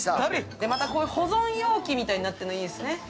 で、また保存容器みたいになっているのがいいですね。